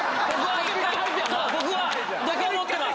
僕は僕は持ってます。